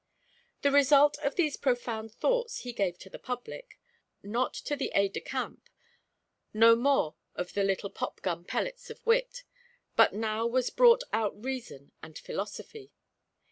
The result of these profound thoughts he gave to the public, not to the aide de camp; no more of the little pop gun pellets of wits but now was brought out reason and philosophy.